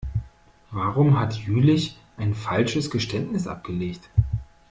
Warum hat Jüllich ein falsches Geständnis abgelegt?